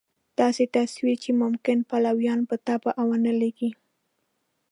داسې تصویر چې ممکن پلویانو په طبع ونه لګېږي.